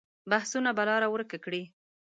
بحثونه به لاره ورکه کړي.